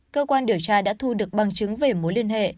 cơ quan điều tra đã thu được bằng chứng về mối liên hệ